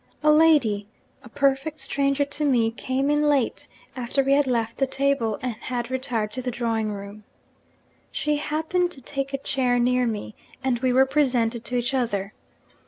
A lady, a perfect stranger to me, came in late after we had left the table, and had retired to the drawing room. She happened to take a chair near me; and we were presented to each other.